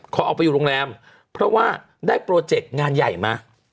ขอออกไปอยู่โรงแรมเพราะว่าได้โปรเจกต์งานใหญ่มา